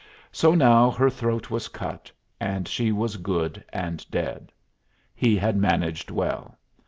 So now her throat was cut, and she was good and dead. He had managed well.